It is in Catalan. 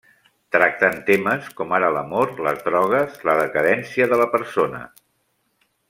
Tractant temes com ara l'amor, les drogues, la decadència de la persona.